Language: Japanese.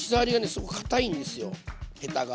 すごくかたいんですよヘタが。